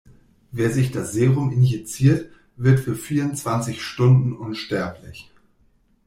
Wer sich das Serum injiziert, wird für vierundzwanzig Stunden unsterblich.